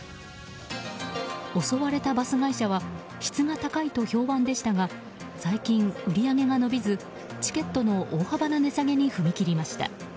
襲われたバス会社は質が高いと評判でしたが最近、売り上げが伸びずチケットの大幅な値下げに踏み切りました。